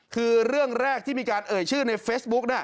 คือเรื่องแรกที่มีการเอ่ยชื่อในเฟซบุ๊ก